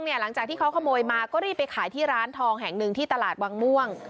หลังจากที่เขาขโมยมาก็รีบไปขายที่ร้านทองแห่งหนึ่งที่ตลาดวังม่วง